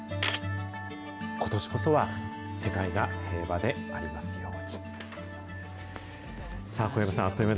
ことしこそは、世界が平和でありますように。